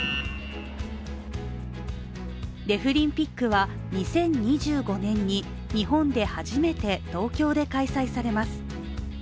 デフリンピックは２０２５年に日本で初めて東京で開催されます。